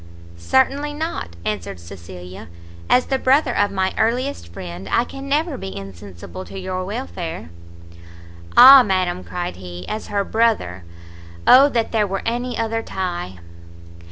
"Certainly not," answered Cecilia; "as the brother of my earliest friend, I can never be insensible to your welfare." "Ah madam!" cried he, "as her brother! Oh that there were any other tie!